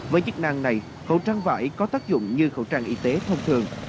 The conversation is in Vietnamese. với chức năng này khẩu trang vải có tác dụng như khẩu trang y tế thông thường